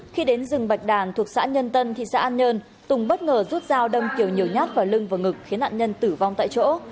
khi đến rừng bạch đàn thuộc xã nhân tân thị xã an nhơn tùng bất ngờ rút dao đâm kiều nhiều nhát vào lưng và ngực khiến nạn nhân tử vong tại chỗ